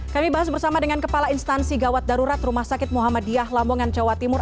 kami bahas bersama dengan kepala instansi gawat darurat rumah sakit muhammadiyah lamongan jawa timur